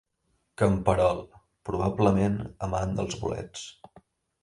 Camperol, probablement amant dels bolets.